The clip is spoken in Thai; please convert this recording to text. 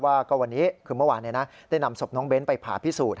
ว่าก็วันนี้คือเมื่อวานได้นำศพน้องเบ้นไปผ่าพิสูจน